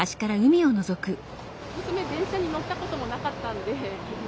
娘電車に乗ったこともなかったんで。